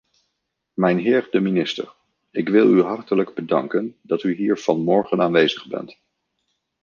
Mijnheer de minister, ik wil u hartelijk bedanken dat u hier vanmorgen aanwezig bent.